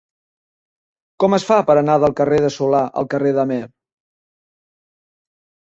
Com es fa per anar del carrer de Solà al carrer d'Amer?